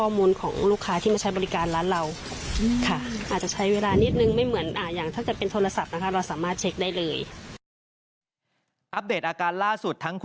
หมออนุญาตให้กลับบ้านได้มาฟัง